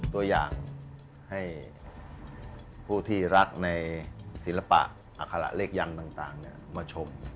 ตัวอย่างให้ผู้ที่รักในศิลปะอัคระเลขยันต์ต่างมาชม